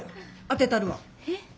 当てたるわ。